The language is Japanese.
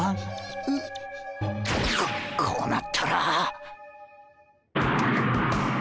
ここうなったら。